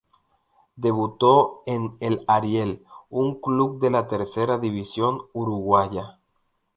Debutó en el Ariel, un club de la tercera división uruguaya.